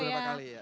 beberapa kali ya